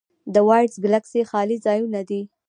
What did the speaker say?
د وایډز ګلکسي خالي ځایونه دي.